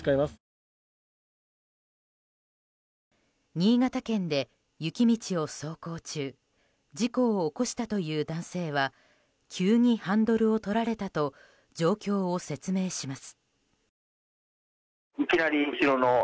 新潟県で雪道を走行中事故を起こしたという男性は急にハンドルを取られたと状況を説明します。